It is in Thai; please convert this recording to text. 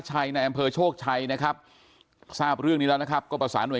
ในอำเภอโชคชัยนะครับทราบเรื่องนี้แล้วนะครับก็ประสานห่ว